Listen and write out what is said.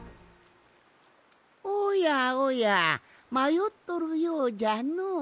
おやおやまよっとるようじゃのう。